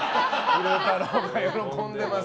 昼太郎が喜んでます。